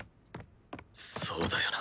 そうだよな。